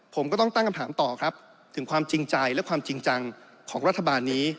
ผมก็ต้องตั้งคำถามต่อครับถึงความจริงใจและความจริงจังของรัฐบาลนี้